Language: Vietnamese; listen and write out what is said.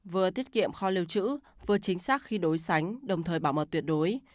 vừa tiết kiệm kho liều chữ vừa chính xác khi đối sánh đồng thời bảo mật tuyệt đối